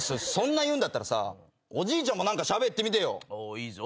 いいぞ。